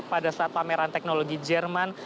pada saat pameran teknologi jerman